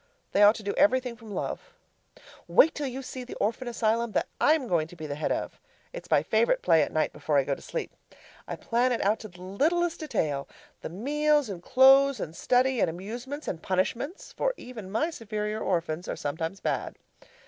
They ought to do everything from love. Wait until you see the orphan asylum that I am going to be the head of! It's my favourite play at night before I go to sleep. I plan it out to the littlest detail the meals and clothes and study and amusements and punishments; for even my superior orphans are sometimes bad.